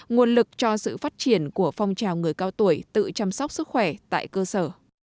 nguồn lực cho sự phát triển của phong trào người cao tuổi tự chăm sóc sức khỏe tại cơ sở